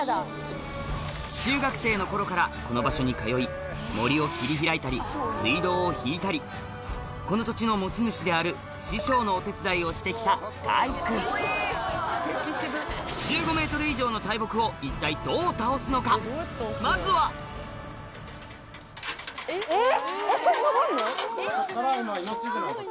中学生の頃からこの場所に通い森を切り開いたり水道を引いたりこの土地の持ち主である師匠のお手伝いをして来た開君１５ｍ以上のまずはえっそれ登るの？